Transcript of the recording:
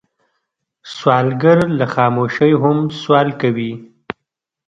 سوالګر له خاموشۍ هم سوال کوي